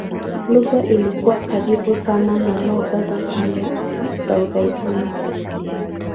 Lugha ilikuwa karibu sana na lugha za kale za Uarabuni.